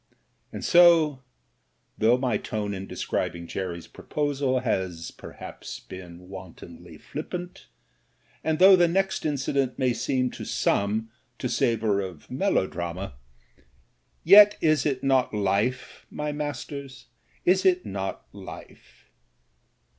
And so, though my tone in describing Jerry's proposal has perhaps been wantonly flippant, and though the next incident may seem to some to savour of melodrama — yet, is it not life, my masters, is it not life